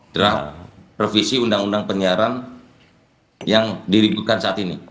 draft revisi undang undang penyiaran yang diributkan saat ini